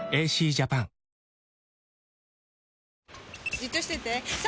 じっとしてて３！